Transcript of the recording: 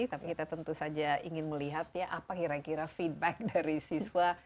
tapi kita tentu saja ingin melihat ya apa kira kira feedback dari siswa